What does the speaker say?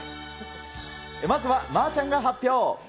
まずはまぁちゃんが発表。